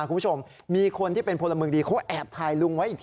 คุณผู้ชมมีคนที่เป็นพลเมืองดีเขาแอบถ่ายลุงไว้อีกที